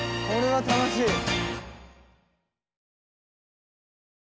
これは楽しい。